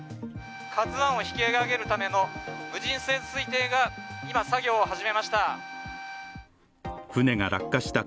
「ＫＡＺＵⅠ」を引き揚げるための無人潜水艇が今、作業を始めました。